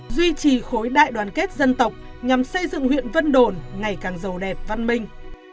duy trì khối đại đoàn kết dân tộc nhằm xây dựng huyện vân đồn ngày càng giàu đẹp văn minh